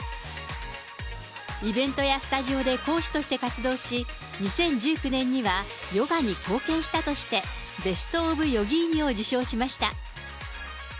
イベントやスタジオで講師として活動し、２０１９年にはヨガに貢献したとして、ベスト・オブ・ヨギーニを受賞しました。